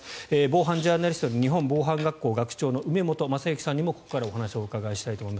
防犯ジャーナリストで日本防犯学校学長の梅本正行さんにもここからお話をお伺いしたいと思います。